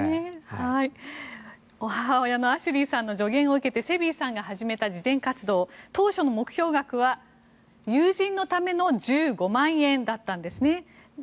母親のアシュリーさんの助言を受けてセビーさんが始めた慈善活動当初の目標額は友人のための１５万円だったんですね。